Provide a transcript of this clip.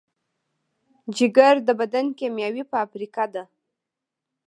جگر د بدن کیمیاوي فابریکه ده.